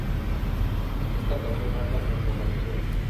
Esta canción habla contra la censura.